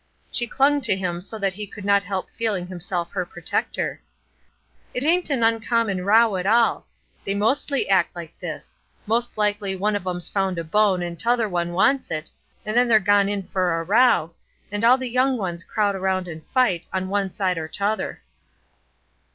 She clung to him so that he could not help feeling himself her protector. "It ain't an uncommon row at all; they mostly act like this; most likely one of 'em's found a bone and t' other one wants it, and then they're gone in for a row, and all the young ones crowd around and fight, on one side or t' other."